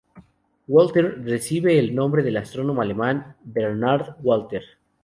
Walther recibe el nombre del astrónomo alemán Bernhard Walther.